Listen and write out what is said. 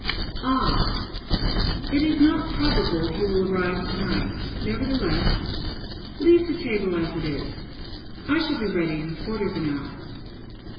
"Ah! It is not probable he will arrive to night; nevertheless, leave the table as it is. I shall be ready in a quarter of an hour."